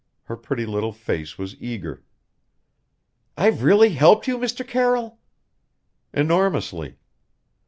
Her pretty little face was eager. "I've really helped you, Mr. Carroll?" "Enormously."